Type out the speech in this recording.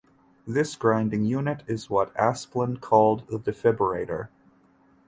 This grinding unit is what Asplund called the defibrator.